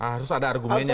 harus ada argumennya